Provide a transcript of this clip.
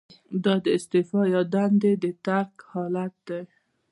دا د استعفا یا دندې د ترک حالت دی.